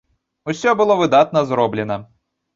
Усё было выдатна зроблена.